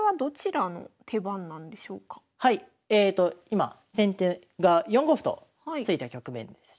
今先手が４五歩と突いた局面です。